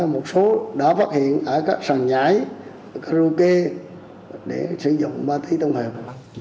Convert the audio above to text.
một số đã phát hiện ở các sàn nhãi karaoke để sử dụng ma túy tổng hợp